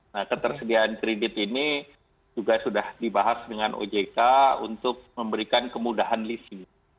nah ketersediaan kredit ini juga sudah dibahas dengan ojk untuk memberikan kemudahan living